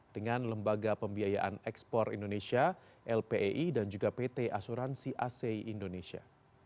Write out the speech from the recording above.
dengan lembaga pembiayaan ekspor indonesia lpei dan juga pt asuransi ac indonesia